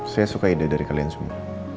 saya suka ide dari kalian semua